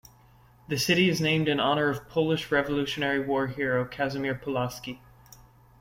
The city is named in honor of Polish Revolutionary War hero Casimir Pulaski.